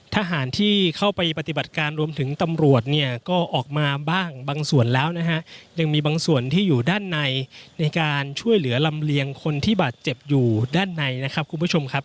ทหารที่เข้าไปปฏิบัติการรวมถึงตำรวจเนี่ยก็ออกมาบ้างบางส่วนแล้วนะฮะยังมีบางส่วนที่อยู่ด้านในในการช่วยเหลือลำเลียงคนที่บาดเจ็บอยู่ด้านในนะครับคุณผู้ชมครับ